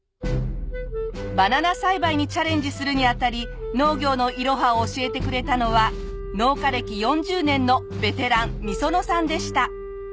バナナ栽培にチャレンジするにあたり農業のイロハを教えてくれたのは農家歴４０年のベテラン御園さんでした。